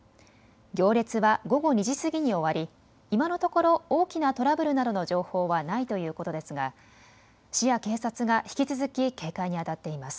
行列は午後２時過ぎに終わり今のところ大きなトラブルなどの情報はないということですが市や警察が引き続き警戒にあたっています。